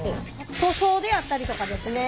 塗装であったりとかですね